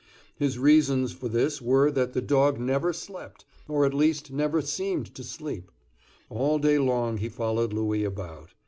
His reasons for this were that the dog never slept, or at least never seemed to sleep. All day long he followed Louis about.